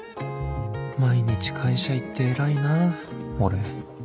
毎日会社行って偉いなぁ俺